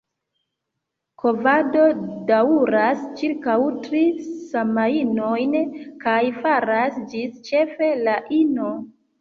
Kovado daŭras ĉirkaŭ tri semajnojn kaj faras ĝin ĉefe la ino.